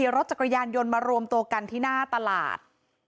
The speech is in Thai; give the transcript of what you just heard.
รถจักรยานยนต์มารวมตัวกันที่หน้าตลาด